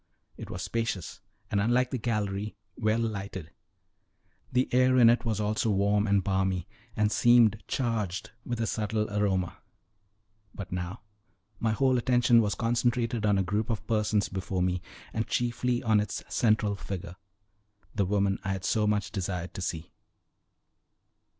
It was spacious, and, unlike the gallery, well lighted; the air in it was also warm and balmy, and seemed charged with a subtle aroma. But now my whole attention was concentrated on a group of persons before me, and chiefly on its central figure the woman I had so much desired to see.